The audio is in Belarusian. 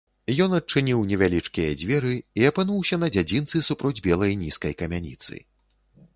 Ён адчыніў невялічкія дзверы і апынуўся на дзядзінцы супроць белай нізкай камяніцы.